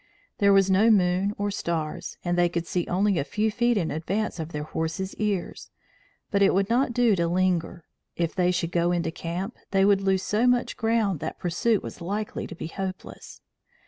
There was no moon or stars and they could see only a few feet in advance of their horses' ears, but it would not do to linger. If they should go into camp, they would lose so much ground that pursuit was likely to be hopeless.